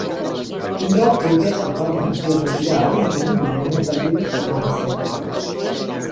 Conrad volgué escapar-ne i es retirà a una zona llunyana per viure com a asceta.